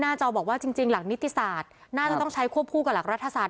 จอบอกว่าจริงหลักนิติศาสตร์น่าจะต้องใช้ควบคู่กับหลักรัฐศาส